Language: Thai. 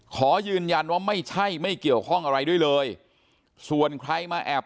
ขอยืนยันว่าไม่ใช่ไม่เกี่ยวข้องอะไรด้วยเลยส่วนใครมาแอบ